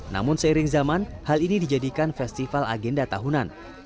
namun seiring zaman hal ini dijadikan festival agenda tahunan